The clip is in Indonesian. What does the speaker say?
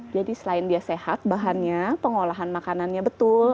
jadi selain dia sehat bahannya pengolahan makanannya betul